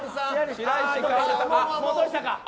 戻したか。